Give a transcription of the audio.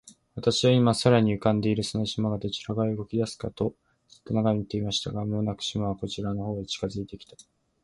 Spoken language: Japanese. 私は、今、空に浮んでいるその島が、どちら側へ動きだすかと、じっと眺めていました。が、間もなく、島はこちらの方へ近づいて来たのです。